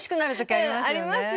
ありますよね。